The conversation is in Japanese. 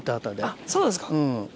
あっそうですか。